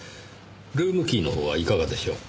ルームキーのほうはいかがでしょう？